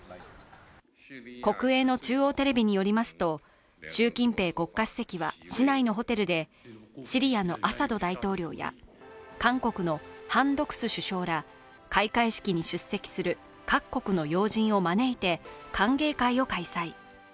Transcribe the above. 国営の中央テレビによりますと、習近平国家主席は市内のホテルで、シリアのアサド大統領や韓国のハン・ドクス首相ら開会式に出席する各国の要人を招いて歓迎会を開催。